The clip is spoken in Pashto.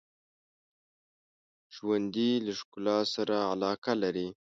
ژوندي له ښکلا سره علاقه لري